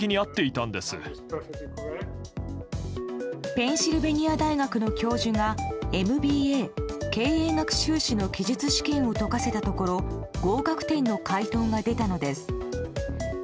ペンシルベニア大学の教授がＭＢＡ・経営学修士の記述試験を解かせたところ合格点の解答が出たのです。